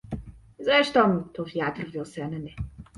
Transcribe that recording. "Zresztą, to wiatr wiosenny."